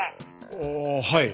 ああはい。